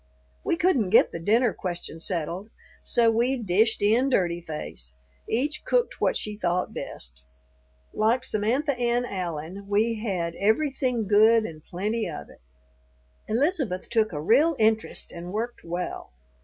We couldn't get the dinner question settled, so we "dished in dirty face"; each cooked what she thought best. Like Samantha Ann Allen, we had "everything good and plenty of it." Elizabeth took a real interest and worked well.